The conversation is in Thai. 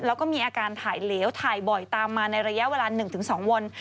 แล้วก็มีอาการถ่ายเหลวถ่ายบ่อยตามมาในระยะเวลา๑๒วัน